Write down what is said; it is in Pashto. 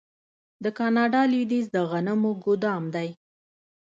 د کاناډا لویدیځ د غنمو ګدام دی.